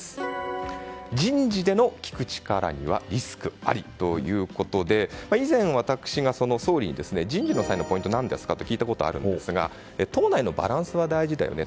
人事での聞く力にはリスクありということで以前、私が総理に人事の際のポイント何ですか？と聞いたことがあるんですが党内のバランスは大事だよね